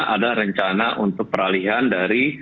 ada rencana untuk peralihan dari